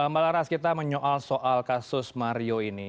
mbak laras kita menyoal soal kasus mario ini